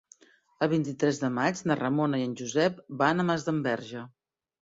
El vint-i-tres de maig na Ramona i en Josep van a Masdenverge.